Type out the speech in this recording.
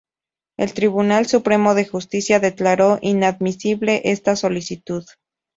El Tribunal Supremo de Justicia declaró inadmisible esta solicitud.